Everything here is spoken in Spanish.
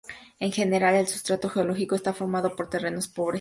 En general el sustrato geológico está formado por terrenos pobres.